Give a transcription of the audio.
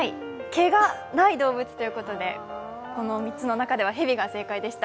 毛がない動物ということで、この３つの中ではへびが正解でした。